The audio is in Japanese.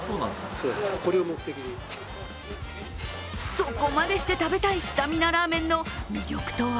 そこまでして、食べたいスタミナラーメンの魅力とは？